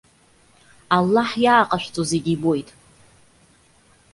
Аллаҳ иааҟашәҵо зегьы ибоит.